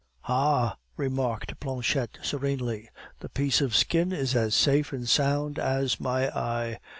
"Ha!" remarked Planchette serenely, "the piece of skin is as safe and sound as my eye.